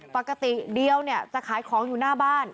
ปกติเดียวเนี่ยจะขายของอยู่หน้าบ้าน